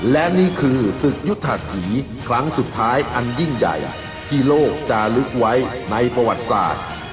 และนี่คือศึกยุทธีครั้งสุดท้ายอันยิ่งใหญ่ที่โลกจะลึกไว้ในประวัติศาสตร์